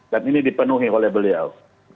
dan ini dipenuhi oleh beliau